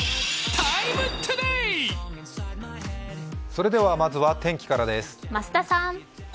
それではまずは天気からです。